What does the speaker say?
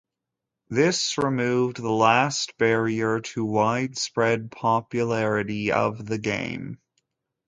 This removed the last barrier to widespread popularity of the game.